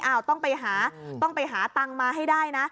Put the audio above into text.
อ้าวต้องไปหาตังมาให้ได้นะ